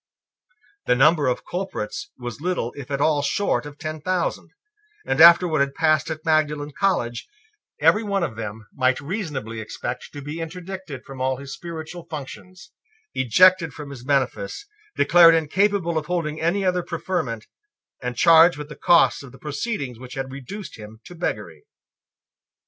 The number of culprits was little, if at all, short of ten thousand: and, after what had passed at Magdalene College, every one of them might reasonably expect to be interdicted from all his spiritual functions, ejected from his benefice, declared incapable of holding any other preferment, and charged with the costs of the proceedings which had reduced him to beggary.